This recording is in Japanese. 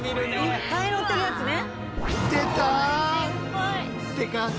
いっぱい乗ってるやつね。